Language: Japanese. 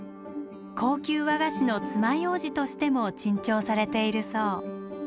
高級和菓子のつまようじとしても珍重されているそう。